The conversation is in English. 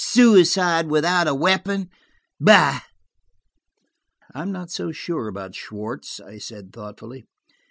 Suicide without a weapon! Bah!" "I am not so sure about Schwartz," I said thoughtfully.